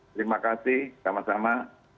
terima kasih sama sama